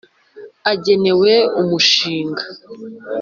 agenewe umushinga